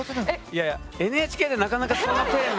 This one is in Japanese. いやいやＮＨＫでなかなかそんなテーマ。